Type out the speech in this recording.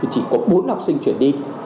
chỉ có bốn học sinh chuyển đi